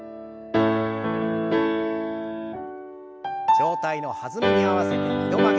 上体の弾みに合わせて２度曲げ。